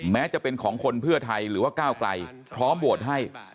แม้จะเป็นของคนเพื่อไทยหรือว่าก้าวไกลพร้อมโหวตให้